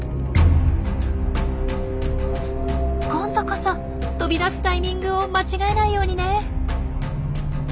今度こそ飛び出すタイミングを間違えないようにね！